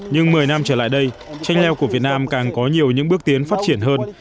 nhưng một mươi năm trở lại đây chanh leo của việt nam càng có nhiều những bước tiến phát triển hơn